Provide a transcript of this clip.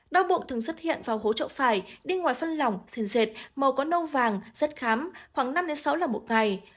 đau bụng thường xuất hiện vào hố trậu phải đi ngoài phân lỏng xền xệt màu có nâu vàng rất khám khoảng năm sáu lần một ngày